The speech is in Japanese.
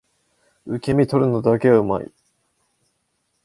受け身取るのだけは上手い